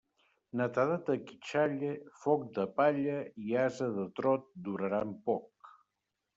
Netedat de quitxalla, foc de palla i ase de trot duraran poc.